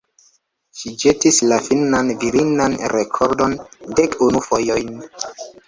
Ŝi ĵetis la finnan virinan rekordon dek unu fojojn.